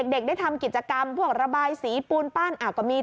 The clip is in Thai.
เด็กได้ทำกิจกรรมพวกระบายสีปูนปั้นก็มี